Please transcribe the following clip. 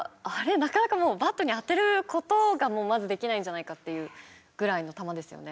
なかなかもうバットに当てる事がまずできないんじゃないかっていうぐらいの球ですよね。